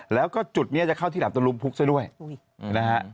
แล้วก็จุดนี้จะเข้าที่แหลมตะลุมพุกซะด้วยนะฮะ